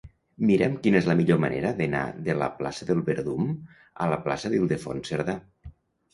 Mira'm quina és la millor manera d'anar de la plaça del Verdum a la plaça d'Ildefons Cerdà.